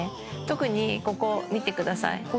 特にここ見てください。